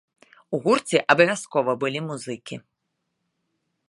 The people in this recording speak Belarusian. У гурце абавязкова былі музыкі.